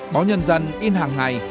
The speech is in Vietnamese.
báo nhân dân in hàng ngày